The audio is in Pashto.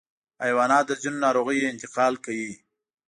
حیوانات د ځینو ناروغیو انتقال کوي.